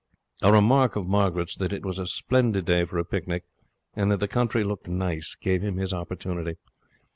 A remark of Margaret's that it was a splendid day for a picnic and that the country looked nice gave him his opportunity.